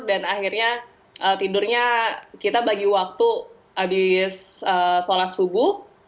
dan akhirnya tidurnya kita bagi waktu habis sholat subuh